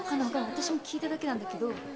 ・私も聞いただけなんだけど